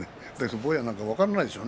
坊やは分からないでしょうね